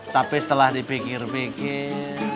tapi setelah dipikir pikir